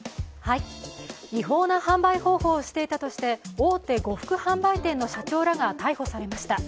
違法な販売方法をしていたとして大手呉服販売店の社長らが逮捕されました。